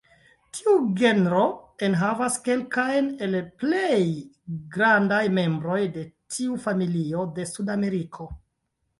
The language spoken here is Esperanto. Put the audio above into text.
Tiu genro enhavas kelkajn el plej grandaj membroj de tiu familio de Sudameriko.